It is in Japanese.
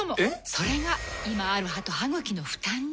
それが今ある歯と歯ぐきの負担に。